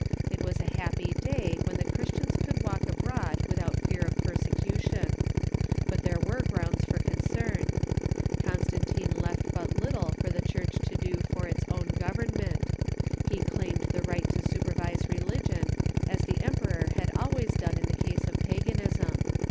It was a happy day when the Christians could walk abroad without fear of persecution. But there Constantine's ^yerc o rounds for concern. Constantine left but Mixed Methods ^.^^^^^^^^^^^ Church to do for its own govern ment. He claimed the right to supervise religion, as the em peror had always done in the case of paganism.